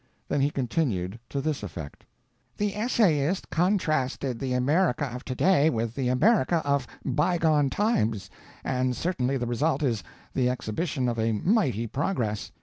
Then he continued to this effect: The essayist contrasted the America of to day with the America of bygone times, and certainly the result is the exhibition of a mighty progress.